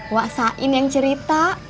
wak sain yang cerita